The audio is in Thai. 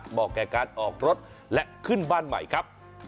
แก่การออกรถและขึ้นบ้านใหม่ครับ